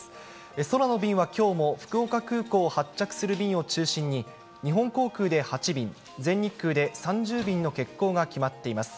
空の便はきょうも福岡空港を発着する便を中心に、日本航空で８便、全日空で３０便の欠航が決まっています。